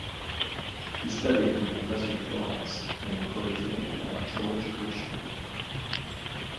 He studied under Professor Dodds, a protegee of George Gershwin.